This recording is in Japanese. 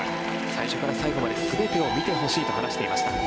最初から最後まで全てを見てほしいと話していました。